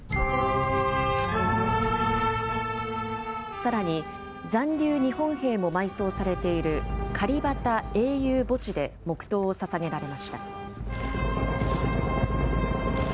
さらに、残留日本兵も埋葬されているカリバタ英雄墓地で黙とうをささげられました。